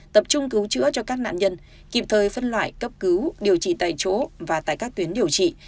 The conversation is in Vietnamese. tập trung cứu chữa cho các nạn nhân kịp thời phân loại cấp cứu điều trị tại chỗ và tại các tuyến điều trị